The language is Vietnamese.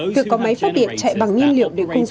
tự có máy phát điện chạy bằng nhiên liệu để cung cấp